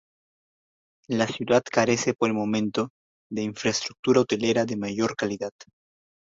La ciudad carece por el momento de infraestructura hotelera de mayor calidad.